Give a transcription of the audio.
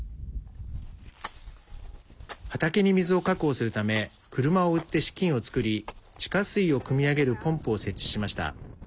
畑に水を確保するため車を売って資金を作り地下水をくみ上げるポンプを設置しました。